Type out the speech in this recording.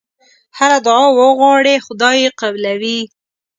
هره دعا وغواړې خدای یې قبلوي.